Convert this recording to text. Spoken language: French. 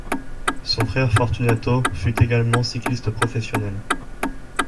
Son frère Fortunato fut également cycliste professionnel.